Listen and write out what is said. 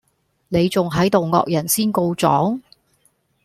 你仲係度惡人先告狀